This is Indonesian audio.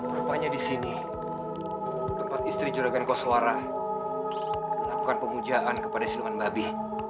rupanya di sini tempat istri juragan koswara melakukan pemujaan kepada siluman babi